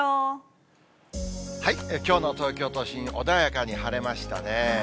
きょうの東京都心、穏やかに晴れましたね。